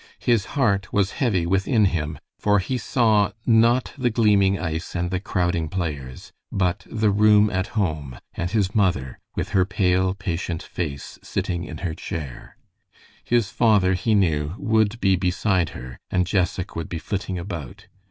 His heart was heavy within him, for he saw, not the gleaming ice and the crowding players, but "the room" at home, and his mother, with her pale, patient face, sitting in her chair. His father, he knew, would be beside her, and Jessac would be flitting about.